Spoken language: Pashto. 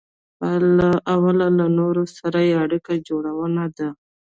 او له نورو سره يې اړيکه جوړونه ده.